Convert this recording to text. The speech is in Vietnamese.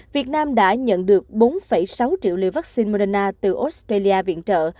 việt nam đã nhận được bốn sáu triệu liều vaccine moderna từ australia viện trợ